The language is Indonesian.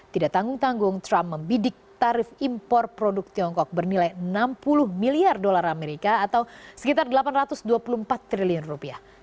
tidak tanggung tanggung trump membidik tarif impor produk tiongkok bernilai enam puluh miliar dolar amerika atau sekitar delapan ratus dua puluh empat triliun rupiah